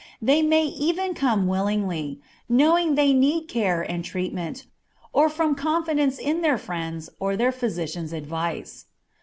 They may even come willingly, knowing they need care and treatment, or from confidence in their friends or their physician's advice.